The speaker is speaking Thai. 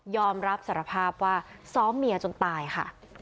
อมรับสารภาพว่าซ้อมเมียจนตายค่ะ